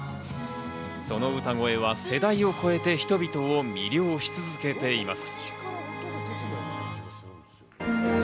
その歌声は世代を超えて人々を魅了し続けています。